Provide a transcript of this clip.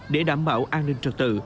để đảm bảo an ninh trật tự